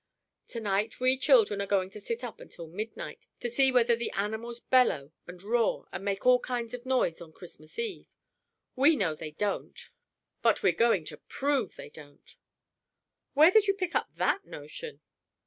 "To night we children are going to sit up until midnight, to see whether the animals bellow and roar and make all kinds of noise on Christmas Eve. We know they don't, but we're going to prove they don't!" "Where did you pick up that notion?"